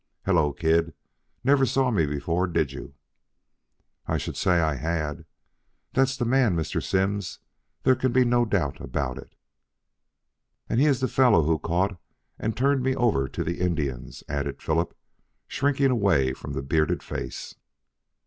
"Hello, kid. Never saw me before, did you?" "I should say I had. That's the man, Mr. Simms. There can be no doubt about it." "And he is the fellow who caught and turned me over to the Indians," added Philip, shrinking away from the bearded face.